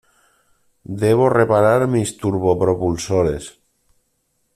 Debo reparar mis turbopropulsores.